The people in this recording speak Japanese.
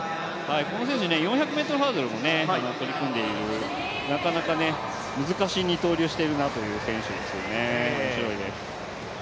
この選手、４００ｍハードルにも取り組んでいるなかなか難しい二刀流をしているなという選手です、おもしろいです。